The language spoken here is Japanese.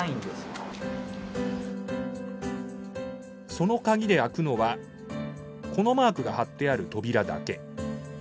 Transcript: その鍵で開くのはこのマークが貼ってある扉だけ。